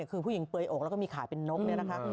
คือผู้หญิงเปลือยอกแล้วก็มีขายเป็นนกเนี่ยนะคะ